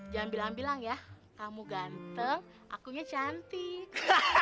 jangan bilang bilang ya kamu ganteng akunya cantik